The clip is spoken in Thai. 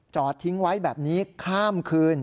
จอดทิ้งไว้แบบนี้ข้ามคืน